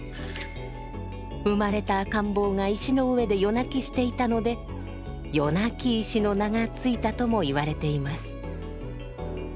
生まれた赤ん坊が石の上で夜泣きしていたので「夜泣き石」の名が付いたとも言われています。